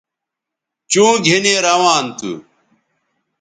چوں گِھنی روان تھو